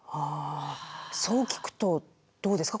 そう聞くとどうですか？